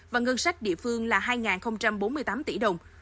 và ngân sách địa phương là hai bốn mươi tám tỷ đồng